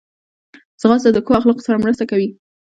ځغاسته د ښو اخلاقو سره مرسته کوي